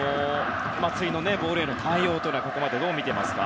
松井のボールへの対応はどう見ていますか。